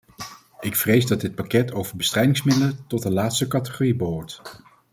Ik vrees dat dit pakket over bestrijdingsmiddelen tot de laatste categorie behoort.